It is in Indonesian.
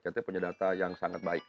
jadi punya data yang sangat baik